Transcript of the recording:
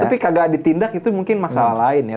tapi kagak ditindak itu mungkin masalah lain ya